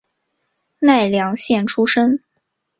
奈良县出身。